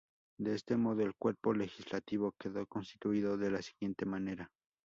De este modo, el cuerpo legislativo quedó constituido de la siguiente manera.